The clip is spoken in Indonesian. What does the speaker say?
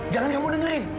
jangan kamu dengerin